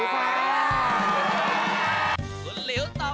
เบ๊กเองก็ยินมา